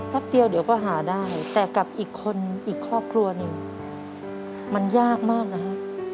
แป๊บเดียวเดี๋ยวก็หาได้แต่กับอีกคนอีกครอบครัวหนึ่งมันยากมากนะฮะ